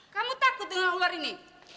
kamu takut dengan ular ini